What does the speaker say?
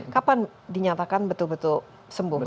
kapan dinyatakan betul betul sembuh